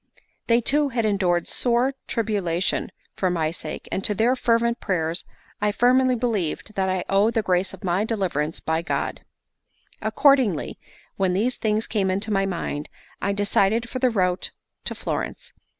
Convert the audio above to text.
They too had endured sore tribulation for my sake, and to their fervent prayers I firmly believed that I owed the grace of my deliverance by God. Accordingly, when these things came into my mind, I decided for the route to Florence.